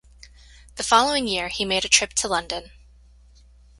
The following year he made a trip to London.